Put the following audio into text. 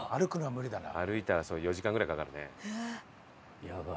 歩いたら４時間ぐらいかかるね。